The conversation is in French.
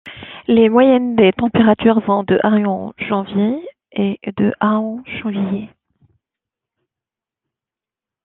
Les moyennes des températures vont de à en janvier et de à en juillet.